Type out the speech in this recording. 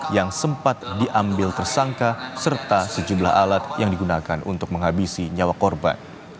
yang sempat diambil tersangka serta sejumlah alat yang digunakan untuk menghabisi nyawa korban